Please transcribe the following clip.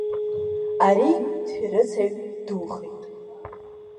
Ари дшәарыцаҩ духеит.